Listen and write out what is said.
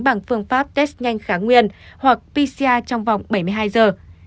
bằng phương pháp test nhanh kháng nguyên hoặc pcr trong vòng bảy mươi hai giờ